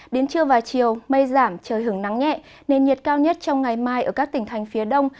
đến trưa và chiều mây giảm trời hưởng nắng nhẹ nền nhiệt cao nhất trong ngày mai ở các tỉnh thành phía đông